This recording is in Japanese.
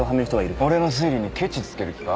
俺の推理にケチつける気か？